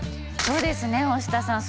そうですね大下さん